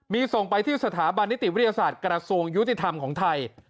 มีส่งไปที่สถาบันนิติวิทยาศาสตร์กระทรวงยุติธรรมของไทย